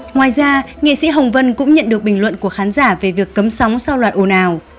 ngoài ra nghệ sĩ hồng vân cũng nhận được bình luận của khán giả về việc cấm sóng sau loạt ồ ạt